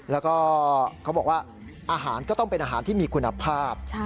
แล้วก็เขาบอกว่าอาหารก็ต้องเป็นอาหารที่มีคุณภาพ